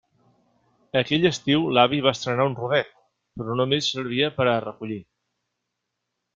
Aquell estiu l'avi va estrenar un rodet, però només servia per a recollir.